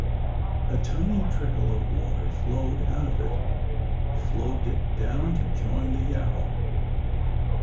A tiny trickle of water flowed out of it, flowed down to join the Yarrow.